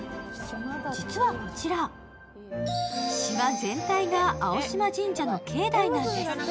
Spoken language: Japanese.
実はこちら、島全体が青島神社の境内なんです。